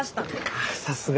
あっさすが。